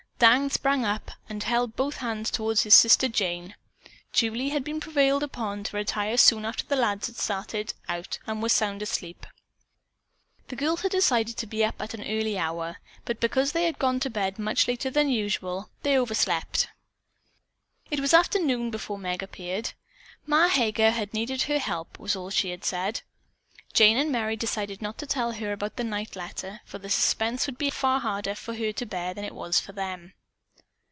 Dan sprang up and held both hands toward his sister Jane. Julie had been prevailed upon to retire soon after the lads started out and was sound asleep. The girls had decided to be up at an early hour, but because they had gone to bed much later than usual they overslept. It was after noon before Meg appeared. "Ma Heger" had needed her help, was all that she said. Jane and Merry decided not to tell her about the night letter, for the suspense would be far harder for her to bear than it was for them.